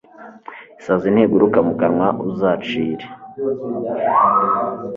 Isazi ntiguruka mu kanwa uzayicire